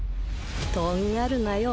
とんがるなよ。